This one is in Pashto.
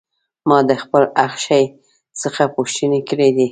ما د خپل اخښي څخه پوښتنې کړې دي.